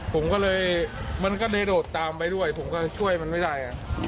ผมก็เลยมันก็เลยโดดตามไปด้วยผมก็ช่วยมันไม่ได้